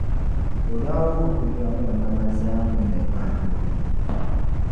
o daa wuhi o dunia ŋɔ nama zaa nini kahimbu.